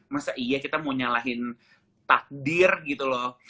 masa iya kita mau nyalahin takdir gitu loh